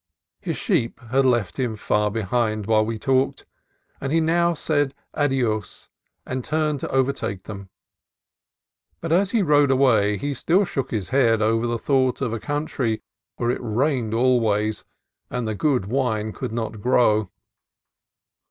His sheep had left him far behind while we talked, and he now said Adios, and turned to overtake them. But as he rode away he still shook his head over the thought of a country where it rained al ways, and the good wine could not grow.